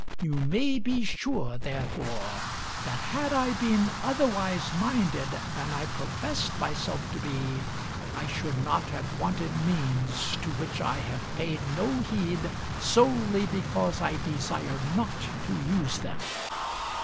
You may be sure, therefore, that had I been otherwise minded than I professed myself to be, I should not have wanted means, to which I have paid no heed solely because I desire not to use them.